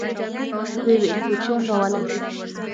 ويې ويل: کوچيان راولئ!